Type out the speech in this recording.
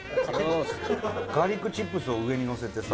ガーリックチップスを上にのせてさ。